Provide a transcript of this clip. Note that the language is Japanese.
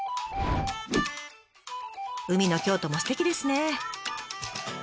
海の京都もすてきですね。